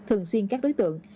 thường xuyên các đối tượng